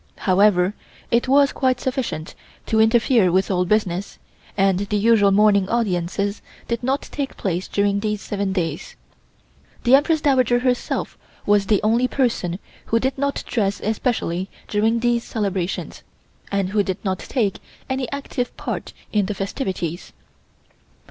However, it was quite sufficient to interfere with all business, and the usual morning audiences did not take place during these seven days. The Empress Dowager herself was the only person who did not dress especially during these celebrations, and who did not take any active part in the festivities.